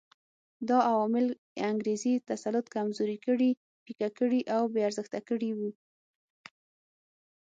دا عوامل انګریزي تسلط کمزوري کړي، پیکه کړي او بې ارزښته کړي وو.